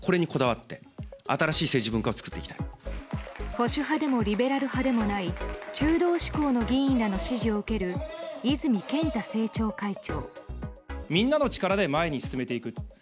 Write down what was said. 保守派でもリベラル派でもない中道志向の議員らの支持を受ける泉健太政調会長。